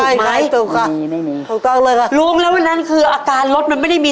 วันแล้วดินักขับไปดี